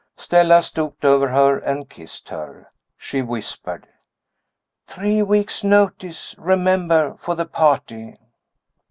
Stella stooped over her and kissed her. She whispered: "Three weeks notice, remember, for the party!"